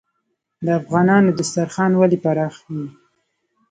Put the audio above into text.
د افغانانو دسترخان ولې پراخ وي؟